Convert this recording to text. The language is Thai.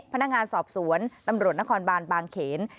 พนักงานสอบสวนตำรวจนครบานบางเขน